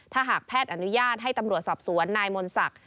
ถ้าหากแพทย์อนุญาตให้ตำรวจสอบสวนนายมนศักดิ์